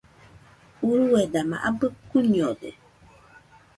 Urue dama abɨ kuiñode